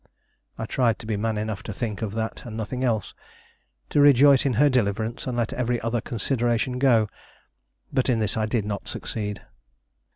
I tried to be man enough to think of that and nothing else. To rejoice in her deliverance, and let every other consideration go; but in this I did not succeed.